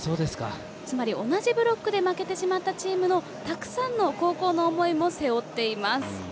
つまり同じブロックで負けてしまったチームのたくさんの高校の思いも背負っています。